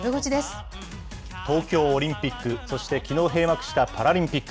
東京オリンピック、そしてきのう閉幕したパラリンピック。